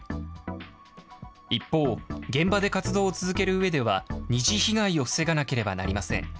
一方、現場で活動を続けるうえでは、二次被害を防がなければなりません。